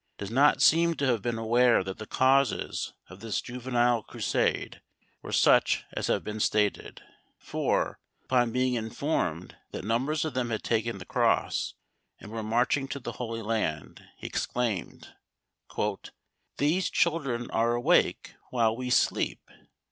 does not seem to have been aware that the causes of this juvenile Crusade were such as have been stated, for, upon being informed that numbers of them had taken the cross, and were marching to the Holy Land, he exclaimed, "These children are awake while we sleep!"